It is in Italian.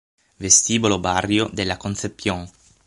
Vestibolo Barrio de la Concepción